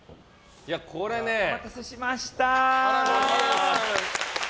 お待たせしました！